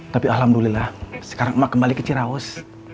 tapi alhamdulillah sekarang kembali ke ciraus